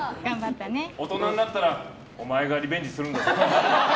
大人になったらお前がリベンジするんだぞ。